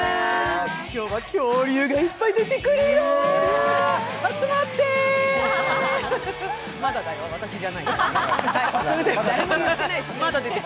今日は恐竜がいっぱい出てくるよ、集まって！